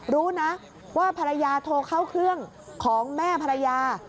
รู้นะว่าภรรยาโทรเข้าเครื่องของแม่ภรรยา